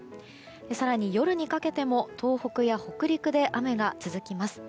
更に、夜にかけても東北や北陸で雨が続きます。